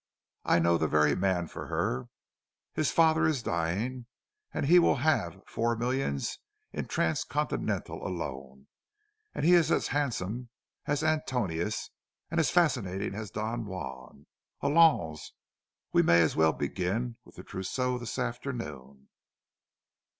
I know the very man for her—his father is dying, and he will have four millions in Transcontinental alone. And he is as handsome as Antinous and as fascinating as Don Juan! Allons! we may as well begin with the trousseau this afternoon!"